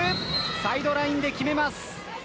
サイドラインで決めます。